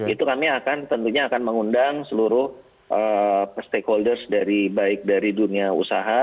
itu kami akan tentunya akan mengundang seluruh stakeholders dari baik dari dunia usaha